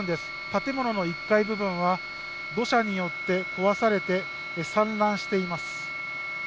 建物の１階部分は土砂によって壊されて散乱しています。